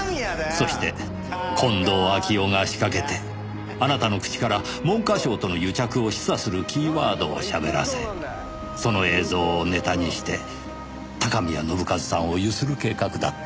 そして近藤秋夫が仕掛けてあなたの口から文科省との癒着を示唆するキーワードをしゃべらせその映像をネタにして高宮信一さんを強請る計画だった。